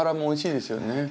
おいしいですよね。